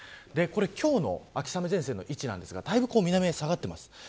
今日の秋雨前線の位置ですがだいぶ南へ下がっています。